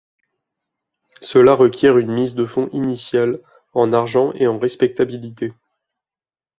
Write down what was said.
Cela requiert une mise de fonds initiale, en argent et en respectabilité.